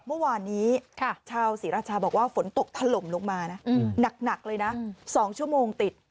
เมื่อวานนี้ชาวศรีราชาบอกว่าฝนตกถล่มลงมานะหนักเลยนะ๒ชั่วโมงติด